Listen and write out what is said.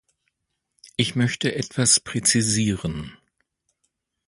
Ich möchte etwas präzisieren.